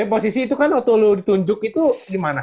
tapi posisi itu kan waktu lo ditunjuk itu gimana